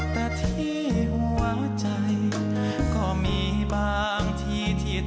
แต่ที่หัวใจก็มีบางทีที่